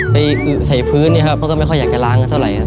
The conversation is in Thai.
ไปอึดใส่พื้นที่นี่ครับพวกเราไม่ค่อยอยากได้ล้างกันเท่าไร